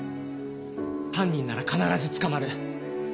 犯人なら必ず捕まる。